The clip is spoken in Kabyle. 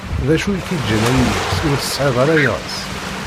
D acu i k-yeǧǧan ay iles ur tesεiḍ ara iɣes?